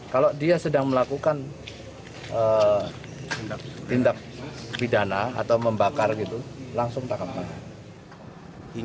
kalau dia sedang melakukan tindak pidana atau membakar gitu langsung tangkap tangan